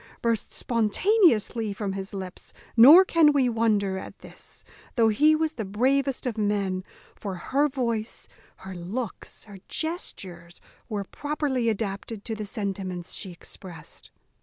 burst spontaneously from his lips; nor can we wonder at this, though he was the bravest of men; for her voice, her looks, her gestures, were properly adapted to the sentiments she exprest.